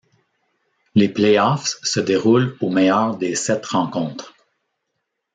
Les Play Offs se déroulent aux meilleurs des septs rencontres.